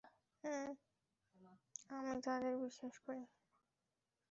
আমি তাদের বিশ্বাস করি না।